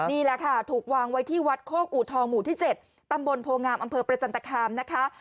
นี่แหละค่ะถูกวางไว้ที่วัดโคกอูทองหมู่ที่๗ตำบลโพงามอำเภอประจันตคามนะคะ